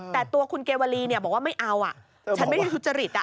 แต่ตัวคุณเกวลีบอกว่าไม่เอาฉันไม่ได้ทุจริต